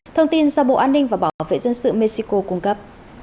thông tin do bộ an ninh và bảo vệ dân sự mexico cung cấp